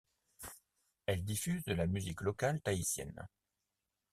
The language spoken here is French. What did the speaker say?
Elle diffuse de la musique locale tahitienne.